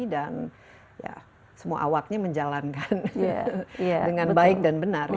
dan ya semua awaknya menjalankan dengan baik dan benar